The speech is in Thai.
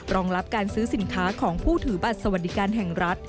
รองรับการซื้อสินค้าของผู้ถือบัตรสวัสดิการแห่งรัฐ